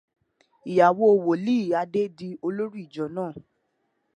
Ìyàwó Wòlíì Adé di olórí ìjọ náà.